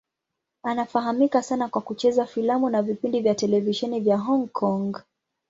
Anafahamika sana kwa kucheza filamu na vipindi vya televisheni vya Hong Kong.